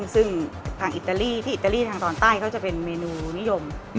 ซึ่งทางอิตาลีที่อิตาลีทางตอนใต้เขาจะเป็นเมนูนิยม